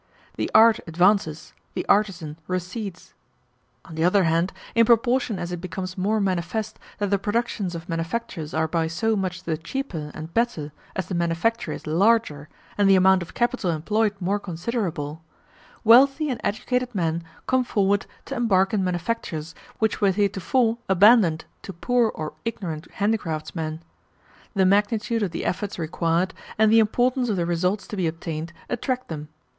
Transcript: The art advances, the artisan recedes. On the other hand, in proportion as it becomes more manifest that the productions of manufactures are by so much the cheaper and better as the manufacture is larger and the amount of capital employed more considerable, wealthy and educated men come forward to embark in manufactures which were heretofore abandoned to poor or ignorant handicraftsmen. The magnitude of the efforts required, and the importance of the results to be obtained, attract them.